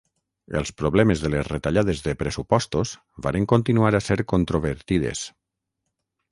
Els problemes de les retallades de pressupostos varen continuar a ser controvertides.